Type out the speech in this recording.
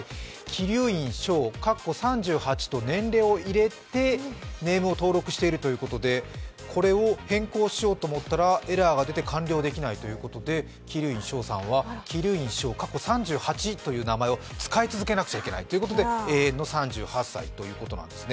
鬼龍院翔と年齢を入れてネームを登録しているということでこれを変更しようと思ったらエラーが出て完了できないということで鬼龍院翔さんは鬼龍院翔というアカウントを使い続けなければいけないということで永遠の３８歳ということです。